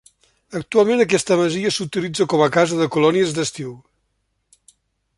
Actualment aquesta masia s'utilitza com a casa de colònies d'estiu.